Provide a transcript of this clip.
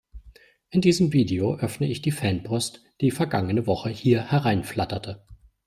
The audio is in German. In diesem Video öffne ich die Fanpost, die vergangene Woche hier herein flatterte.